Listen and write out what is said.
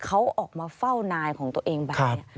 เขาออกมาเฝ้านายของตัวเองไป